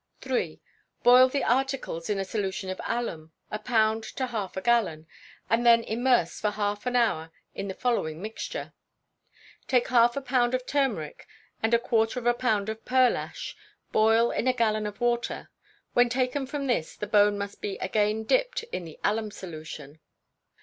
iii. Boil the articles in a solution of alum a pound to half a gallon and then immerse for half an hour in the following mixture: Take half a pound of turmeric, and a quarter of a pound of pearl ash; boil in a gallon of water. When taken from this, the bone must be again dipped in the alum solution.